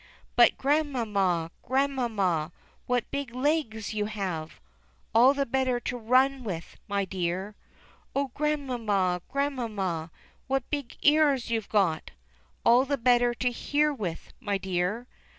"But Grandmamma, Grandmamma, what big legs you have !" "All the better to run with, my dear." "Oh, Grandmamma, Grandmamma, what big ears youVe got!" "All the better to hear with, my dear."